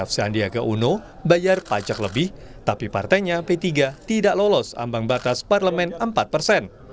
sandi malah menambahkan presiden jokowi juga turut merespon